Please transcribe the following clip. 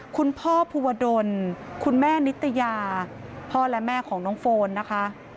คุณพ่อภูวดลคุณแม่นิตยาพ่อและแม่ของน้องโฟนนะคะ